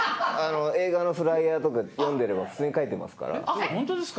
映画のフライヤーとか読んでれば普通に書いてますから。